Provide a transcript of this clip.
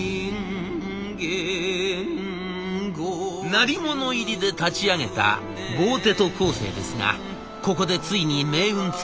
鳴り物入りで立ち上げたボーテ・ド・コーセーですがここでついに命運尽きたか。